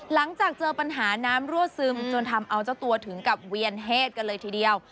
หลังจากเจอปัญหาน้ำรั่วซึมจนทำเอาเจ้าตัวถึงกับเวียนเฮดกันเลยทีเดียว